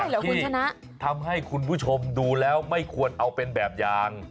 เป็นตัวอย่างที่ทำให้คุณผู้ชมดูแล้วไม่ควรเอาเป็นแบบอย่าง